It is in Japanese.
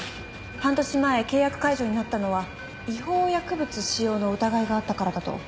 半年前契約解除になったのは違法薬物使用の疑いがあったからだと。